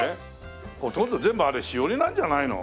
ほとんど全部あれしおりなんじゃないの？